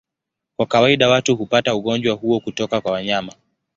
Kwa kawaida watu hupata ugonjwa huo kutoka kwa wanyama.